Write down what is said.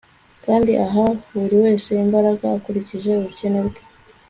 kandi aha buri wese imbaraga akurikije ubukene bwe